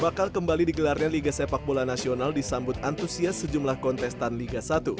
bakal kembali digelarnya liga sepak bola nasional disambut antusias sejumlah kontestan liga satu